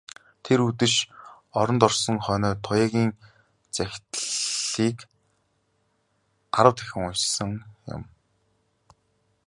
Тэр үдэш оронд орсон хойноо Туяагийн захидлыг арав дахин уншсан юм.